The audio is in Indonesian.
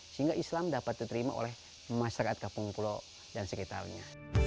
sehingga islam dapat diterima oleh masyarakat kampung pulau dan sekitarnya